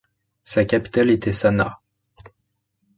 Sa capitale était Sanaa.